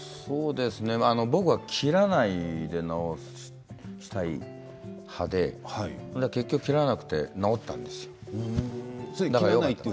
僕は切らないで治したい派で結局切らなくて治ったんですよ。